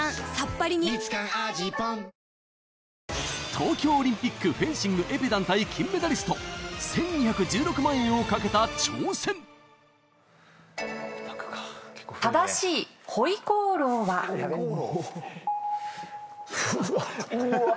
東京オリンピックフェンシングエペ団体金メダリスト１２１６万円をかけた挑戦６択か結構増えるねうわうわ